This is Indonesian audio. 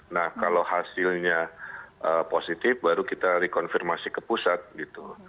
nah kalau hasilnya positif baru kita rekonfirmasi ke pusat gitu